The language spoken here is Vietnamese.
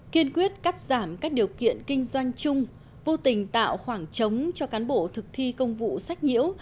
kiên quyết cắt giảm các điều kiện kinh doanh chung vô tình tạo khoảng trống cho cán bộ thực thi công vụ sách nhiễu